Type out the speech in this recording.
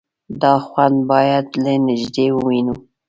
_دا خوند بايد له نږدې ووينو.